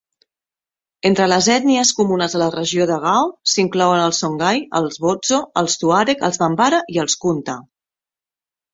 Entre les ètnies comunes a la regió de Gao, s'inclouen els Songhai, els bozo, els tuàreg, els bambara i els kunta.